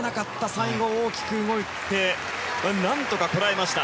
最後、大きく動いて何とかこらえました。